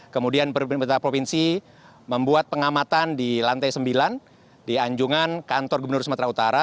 kemudian pemerintah provinsi membuat pengamatan di lantai sembilan di anjungan kantor gubernur sumatera utara